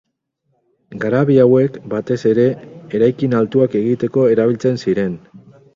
Garabi hauek batez ere eraikin altuak egiteko erabiltzen ziren.